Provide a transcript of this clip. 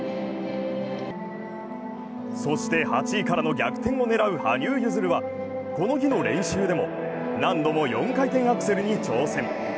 そして、８位からの逆転を狙う羽生結弦はこの日の練習でも何度も４回転アクセルに挑戦。